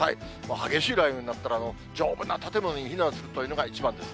激しい雷雨になったら丈夫な建物に避難するというのが一番です。